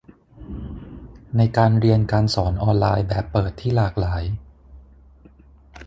ในการเรียนการสอนออนไลน์แบบเปิดที่หลากหลาย